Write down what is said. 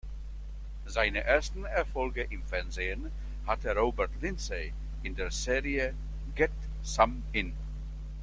Seine ersten Erfolge im Fernsehen hatte Robert Lindsay in der Serie "Get Some In!